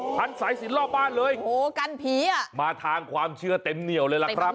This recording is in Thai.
หันสายสินรอบบ้านเลยมาทางความเชื่อเต็มเหนียวเลยล่ะครับ